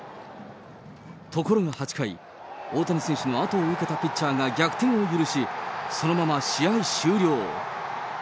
ところが８回、大谷選手のあとを受けたピッチャーが逆転を許し、そのまま試合終了。